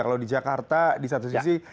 kalau di jakarta di satu sisi